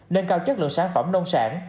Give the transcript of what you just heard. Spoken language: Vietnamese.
nên cao chất lượng sản phẩm nông sản